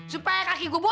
supaya kaki gua berubah